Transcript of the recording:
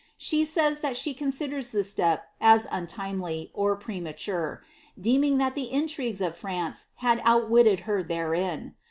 She says that she considers the step as ^ untimely,'' or premature ; deeming that the intrigues of France had outwitted her therein.